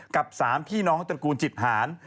กับ๓พี่น้องตระกูลจิตหาร